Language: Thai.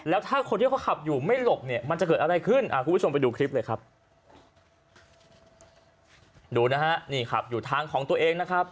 แล้วถ้าคนที่เขาขับอยู่ไม่หลบเนี่ยมันจะเกิดอะไรขึ้น